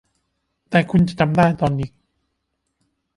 แต่คุณจะจำได้ตอนนี้